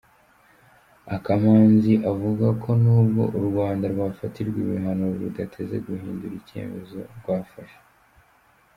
Akamanzi avuga ko n’ubwo u Rwanda rwafatirwa ibihano rudateze guhindura icyemezo rwafashe.